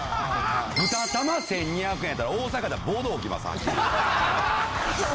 豚玉１２００円やったら大阪では暴動おきます